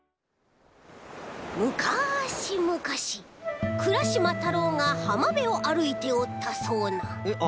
むかしむかしクラしまたろうがはまべをあるいておったそうなえっあ